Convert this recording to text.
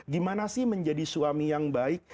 gimana sih menjadi suami yang baik